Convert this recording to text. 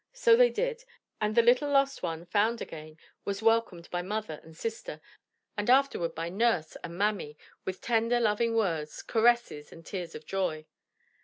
So they did, and the little lost one, found again, was welcomed by mother and sister, and afterward by nurse and mammy, with tender, loving words, caresses and tears of joy.